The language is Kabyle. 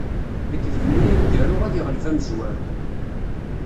Lekdeb-nni aneggaru ad iɣleb amezwaru.